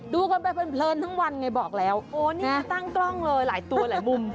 ดูกันไปเพลินทั้งวันไงบอกแล้วโอ้นี่ตั้งกล้องเลยหลายตัวหลายมุม